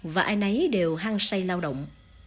và ai nấy đều hăng say lao động